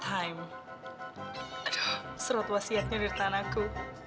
aduh surat wasiatnya dari tanahku